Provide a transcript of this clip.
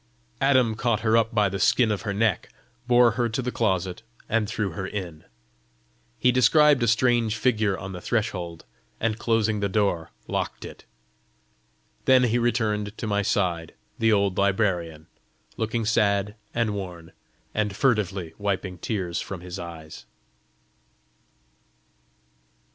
Adam caught her up by the skin of her neck, bore her to the closet, and threw her in. He described a strange figure on the threshold, and closing the door, locked it. Then he returned to my side the old librarian, looking sad and worn, and furtively wiping tears from his eyes.